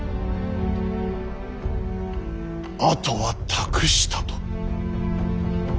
あとは託したと。